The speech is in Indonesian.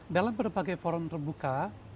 dalam berbagai forum terbuka